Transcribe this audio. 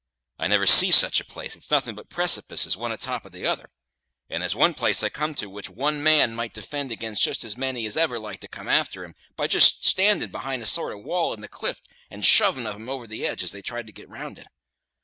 I never see such a place, it's nothing but precipices one atop of t'other; and there's one place I come to which one man might defend ag'in just as many as ever like to come a'ter him, by just standin' behind a sort of wall in the cliff and shoving of 'em over the edge as they tried to get round it.